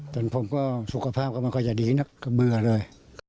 ผมก็สุขภาพก็ไม่ค่อยจะดีนักก็เบื่อเลย